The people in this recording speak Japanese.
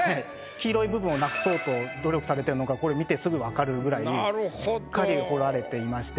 黄色い部分なくそうと努力されてるのがこれ見てすぐわかるぐらいしっかり彫られていまして。